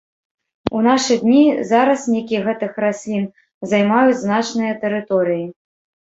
У нашы дні зараснікі гэтых раслін займаюць значныя тэрыторыі.